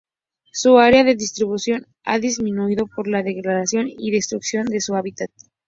Su área de distribución ha disminuido por la degradación y destrucción de su hábitat.